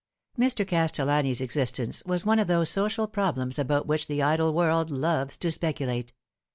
MR. CASTELLANI'S existence was one of those social problems about which the idle world loves to speculate.